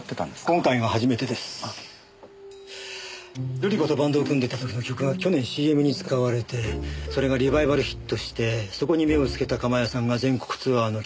瑠里子とバンドを組んでいた時の曲が去年ＣＭに使われてそれがリバイバルヒットしてそこに目をつけた鎌谷さんが全国ツアーの企画を立てて。